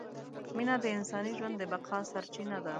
مینه د انساني ژوند د بقاء سرچینه ده!